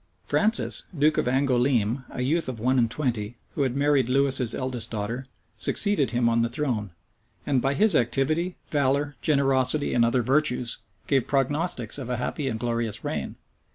Francis, duke of Angoulême, a youth of one and twenty, who had married Lewis's eldest daughter, succeeded him on the throne; and, by his activity, valor, generosity, and other virtues, gave prognostics of a happy and glorious reign.